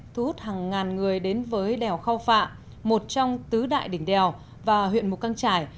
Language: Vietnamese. thu hút hàng ngàn người đến với đèo khao phạ một trong tứ đại đỉnh đèo và huyện mù căng trải